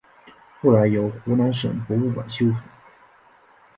后来由湖南省博物馆修复。